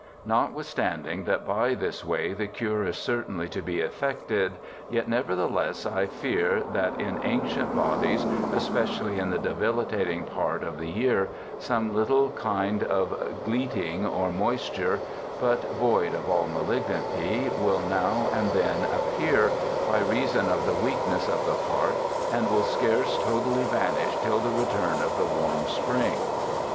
* Notwithstanding that by this way the cure is cer tainly to be effected, 3^et nevertheless I fear that in ancient bodyes, especially in the debilitating part of the 3'ear, some little kinde of gleeting or moisture (but voide of all malignity) will now and then appear by reason of the weakness of the part and will scarce totally vanish till the return of the warm spring.'